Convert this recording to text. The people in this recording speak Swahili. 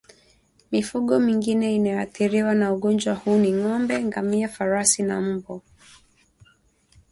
Mifugo mingine inayoathiriwa na ugonjwa huu ni ngombe ngamia farasi na mbwa